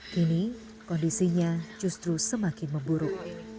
kini kondisinya justru semakin memburuk